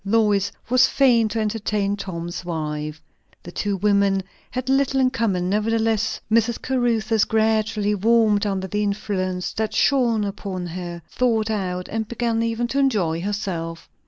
Lois was fain to entertain Tom's wife. The two women had little in common; nevertheless Mrs. Caruthers gradually warmed under the influence that shone upon her; thawed out, and began even to enjoy herself.